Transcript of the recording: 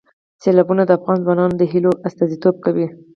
سیلابونه د افغان ځوانانو د هیلو استازیتوب کوي.